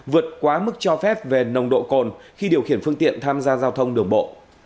vượt quá mức cho phép về nồng độ cồn khi điều khiển phương tiện tham gia giao thông đường bộ